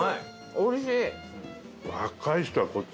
おいしい。